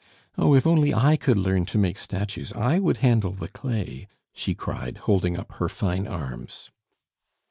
Oh, if only I could learn to make statues, I would handle the clay!" she cried, holding up her fine arms.